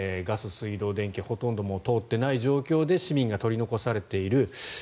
ガス、水道、電気ほとんど通っていない状況で市民が取り残されている。